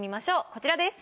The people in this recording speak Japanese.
こちらです。